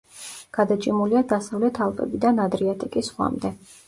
გადაჭიმულია დასავლეთ ალპებიდან ადრიატიკის ზღვამდე.